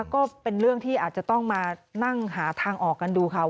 ก็เป็นเรื่องที่อาจจะต้องมานั่งหาทางออกกันดูค่ะ